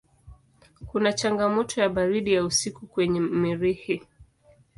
Kuna changamoto ya baridi ya usiku kwenye Mirihi.